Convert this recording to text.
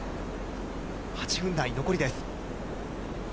８分台、残りです。